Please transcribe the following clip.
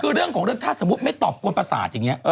คือเรื่องของเรื่องถ้าสมมุติไม่ตอบกวนประสาทอย่างนี้